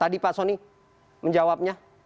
tadi pak soni menjawabnya